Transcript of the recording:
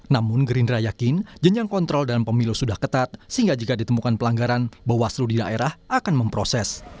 namun gerindra yakin jenjang kontrol dalam pemilu sudah ketat sehingga jika ditemukan pelanggaran bawaslu di daerah akan memproses